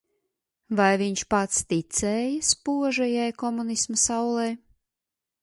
Vai viņš pats ticēja spožajai komunisma saulei?